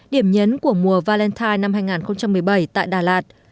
điểm nhấn của mùa valentine năm hai nghìn một mươi bảy tại đà lạt